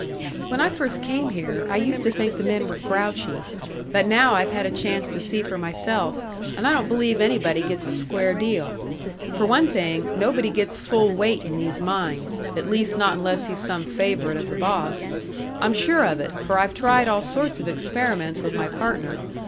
"When I first came here, I used to think the men were grouchy. But now I've had a chance to see for myself, and I don't believe anybody gets a square deal. For one thing, nobody gets full weight in these mines at least not unless he's some favourite of the boss. I'm sure of it, for I've tried all sorts of experiments with my partner.